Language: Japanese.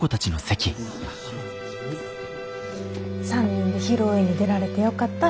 ３人で披露宴に出られてよかった。